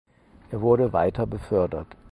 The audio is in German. Er wurde weiter befördert.